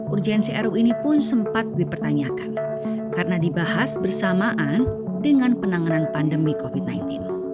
urgensi ruu ini pun sempat dipertanyakan karena dibahas bersamaan dengan penanganan pandemi covid sembilan belas